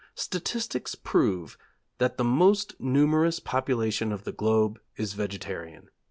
statistics prove ... that the most numerous population of the globe is vegetarian.'